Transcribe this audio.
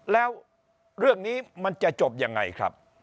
แล้วเรื่องนี้มันจะจบยังไงครับ